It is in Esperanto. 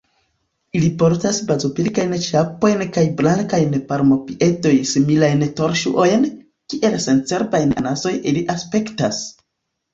Ili portas bazopilkajn ĉapojn kaj blankajn palmopied-similajn tolŝuojn: kiel sencerbaj anasoj ili aspektas.